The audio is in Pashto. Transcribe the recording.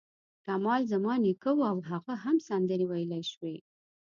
کمال زما نیکه و او هغه هم سندرې ویلای شوې.